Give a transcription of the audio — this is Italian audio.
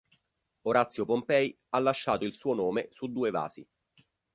Orazio Pompei ha lasciato il suo nome su due vasi.